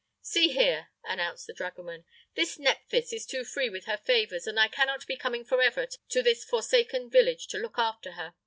"See here," announced the dragoman; "this Nephthys is too free with her favors, and I cannot be coming forever to this forsaken village to look after her.